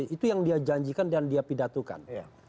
itu yang dia janjikan dan dia pidatokan